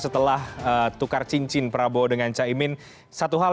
setelah tukar cincin kita ke segmen berikut